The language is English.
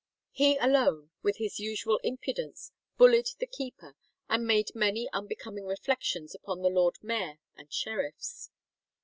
He alone, "with his usual impudence, bullied the keeper, and made many unbecoming reflections upon the lord mayor and sheriffs."